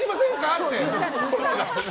って。